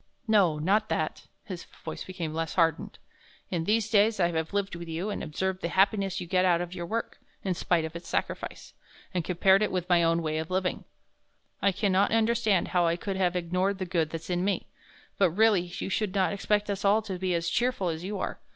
"No, not that," his voice becoming less hardened. "In these days I have lived with you and observed the happiness you get out of your work in spite of its sacrefice and compared it with my own way of living, I can not understand how I could have ignored the good there's in me. But, really, you should not expect us all to be as cheerful as you are.